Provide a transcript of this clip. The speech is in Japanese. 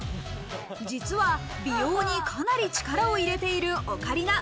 実は美容にかなり力を入れているオカリナ。